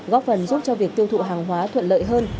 góp phần giúp cho việc tiêu thụ hàng hóa thuận lợi hơn